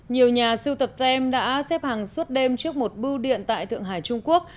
nhiều nhà siêu tập tem đã xếp hàng suốt đêm trước một bưu điện tại thượng hải trung quốc